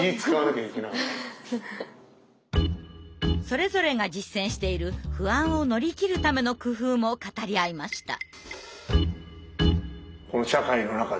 それぞれが実践している不安を乗り切るための工夫も語り合いました。